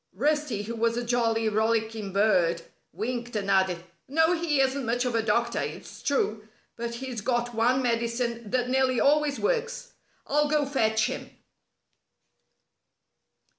Rusty, who was a jolly, rollicking bird, winked, and added: "No, he isn't much of a doctor, it's true, but he's got one medicine that nearly always works. I'll go fetch him."